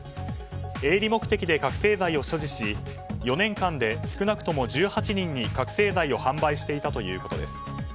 営利目的で覚醒剤を所持し４年間で少なくとも１８人に覚醒剤を販売していたということです。